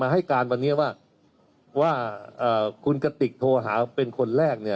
ให้กรณวันนี้ว่าว่าเอ่อขุมกะติกโทรหาเป็นคนแรกเนี้ย